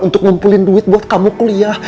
untuk ngumpulin duit buat kamu kuliah